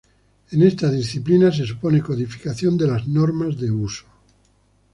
En esta disciplina se supone codificación de las normas de uso.